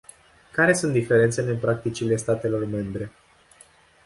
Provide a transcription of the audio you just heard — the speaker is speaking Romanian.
Care sunt diferențele în practicile statelor membre?